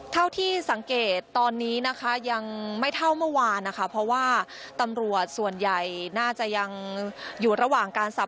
เท่าที่สังเกตตอนนี้นะคะยังไม่เท่าเมื่อวานนะคะ